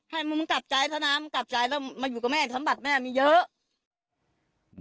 ให้มันกลับใจเท่านั้นมันกลับใจแล้วมาอยู่กับแม่ทำบัตรแม่มีเยอะ